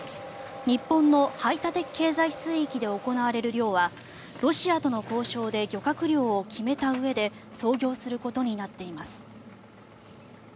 日本の排他的経済水域で行われる漁はロシアとの交渉で漁獲量を決めたうえで操業することになっています。